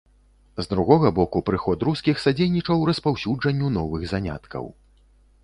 З другога боку, прыход рускіх садзейнічаў распаўсюджанню новых заняткаў.